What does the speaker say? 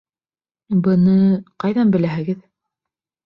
Быны... ҡайҙан беләһегеҙ?